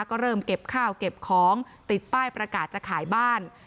ก็เริ่มเก็บข้าวเก็บของติดป้ายประกาศจะขายบ้าน